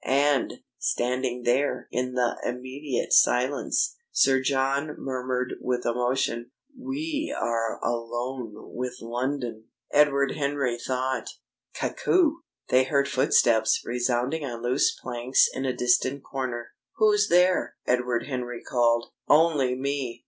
And, standing there in the immediate silence, Sir John murmured with emotion: "We are alone with London!" Edward Henry thought: "Cuckoo!" They heard footsteps resounding on loose planks in a distant corner. "Who's there?" Edward Henry called. "Only me!"